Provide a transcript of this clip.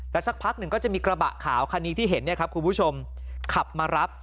สักพักหนึ่งก็จะมีกระบะขาวคันนี้ที่เห็นเนี่ยครับคุณผู้ชมขับมารับ